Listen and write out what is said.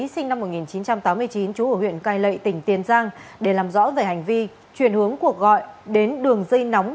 sinh năm một nghìn chín trăm tám mươi chín trú ở huyện cai lệ tỉnh tiền giang để làm rõ về hành vi chuyển hướng cuộc gọi đến đường dây nóng